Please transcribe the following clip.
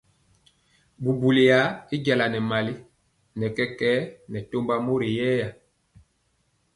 Bubuliya jala nɛ mali nɛ kɛkɛɛ bɛ tɔmba mori yɛya.